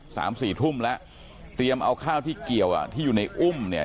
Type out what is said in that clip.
สามสี่ทุ่มแล้วเตรียมเอาข้าวที่เกี่ยวอ่ะที่อยู่ในอุ้มเนี่ย